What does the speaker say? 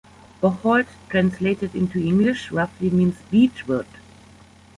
Bocholt translated into English roughly means "beechwood".